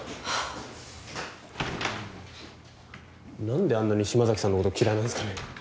なんであんなに島崎さんの事嫌いなんですかね？